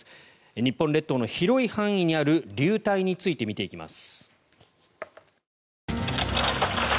日本列島の広い範囲にある流体について見ていきます。